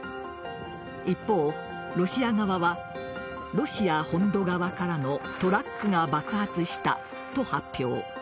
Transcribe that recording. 一方、ロシア側はロシア本土側からのトラックが爆発したと発表。